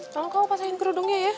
tolong kamu pasahin kerudungnya ya